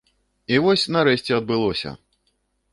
І вось нарэшце адбылося!